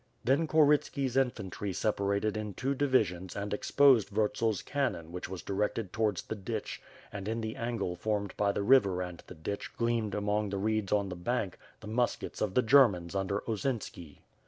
Then Korytski's infantry separated in two divisions and exposed Vurtzel's cannon which was directed towards the ditch and in the angle formed by the river and the ditch gleamed among the reeds on the bank, the muskets of the Germans under Osinski.